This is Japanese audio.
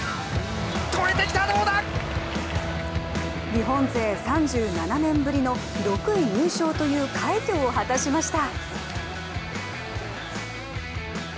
日本勢３７年ぶりの６位入賞という快挙を果たしました。